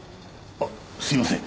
あっすいません